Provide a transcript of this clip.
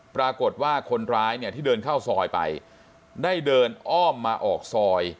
ปรากฏว่าคนร้ายเนี่ยที่เดินเข้าซอยไปได้เดินอ้อมมาออกซอย